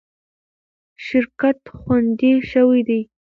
شرکت خوندي شوی دی.